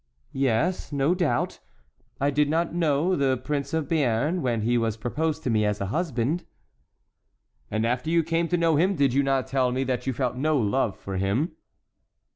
"Yes, no doubt. I did not know the Prince of Béarn when he was proposed to me as a husband." "And after you came to know him, did you not tell me that you felt no love for him?"